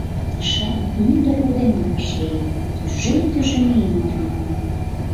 — Тышан мӱндыр родемым вашлийым, тӱжем-тӱжем ийым ужын омыл.